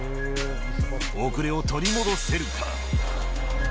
遅れを取り戻せるか。